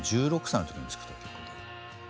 １６歳の時に作った曲で。